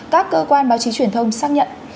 các cơ quan báo chí truyền thông xác nhận